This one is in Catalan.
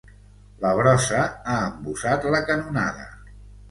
La brossa ha embussat la canonada.